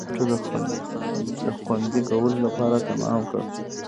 د ګټو د خوندي کولو لپاره تمام کړ.